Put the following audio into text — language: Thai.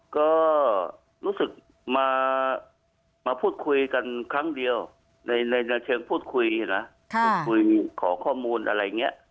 ก็รู้สึกมาพูดคุยกันครั้งเดียวในเชิงพูดคุยนะพูดคุยขอข้อมูลอะไรอย่างนี้